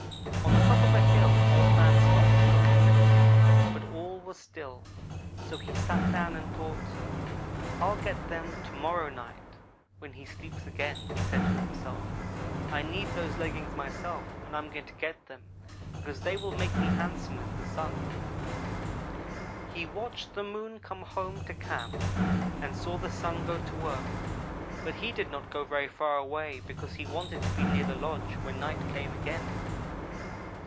"On the top of a hill Old man stopped to look and listen, but all was still; so he sat down and thought. "'I'll get them to morrow night when he sleeps again'; he said to himself. 'I need those leggings myself, and I'm going to get them, because they will make me handsome as the Sun.' "He watched the Moon come home to camp and saw the Sun go to work, but he did not go very far away because he wanted to be near the lodge when night came again.